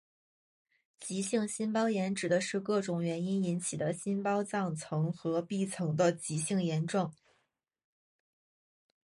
急性心包炎指的是各种原因引起的心包脏层和壁层的急性炎症。